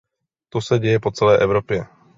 To se děje po celé Evropě.